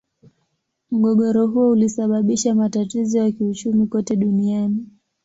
Mgogoro huo ulisababisha matatizo ya kiuchumi kote duniani.